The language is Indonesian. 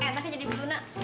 enaknya jadi berluna